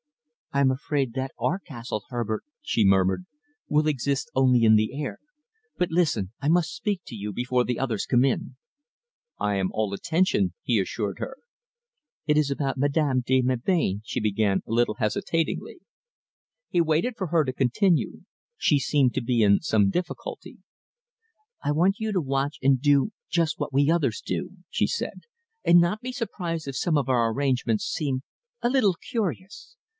"I am afraid that our castle, Herbert," she murmured, "will exist only in the air! But listen. I must speak to you before the others come in." "I am all attention," he assured her. "It is about Madame de Melbain," she began, a little hesitatingly. He waited for her to continue. She seemed to be in some difficulty. "I want you to watch and do just what we others do," she said, "and not to be surprised if some of our arrangements seem a little curious.